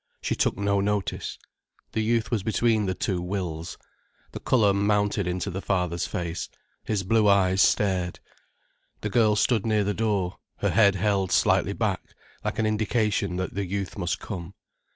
She took no notice. The youth was between the two wills. The colour mounted into the father's face, his blue eyes stared. The girl stood near the door, her head held slightly back, like an indication that the youth must come.